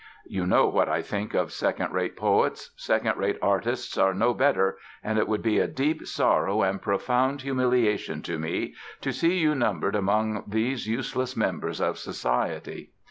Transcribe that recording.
You know what I think of second rate poets; second rate artists are no better and it would be a deep sorrow and profound humiliation to me to see you numbered among these useless members of society".